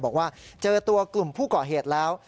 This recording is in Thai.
บอกว่าเจอตัวกลุ่มผู้ก่อเหตุแล้ว